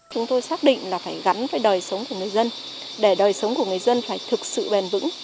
chúng tôi xác định là phải gắn với đời sống của người dân để đời sống của người dân phải thực sự bền vững